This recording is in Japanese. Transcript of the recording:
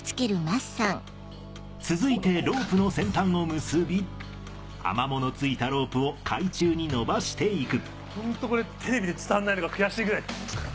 続いてロープの先端を結びアマモの付いたロープを海中に伸ばしていく。